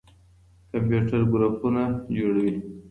کمپيوټر ګروپونه جوړوي.